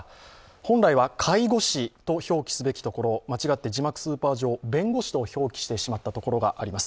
本来は介護士と表記すべきところを、間違って字幕スーパー上、弁護士と表記してしまった部分があります。